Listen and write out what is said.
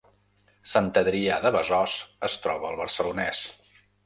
Sant Adrià de Besòs es troba al Barcelonès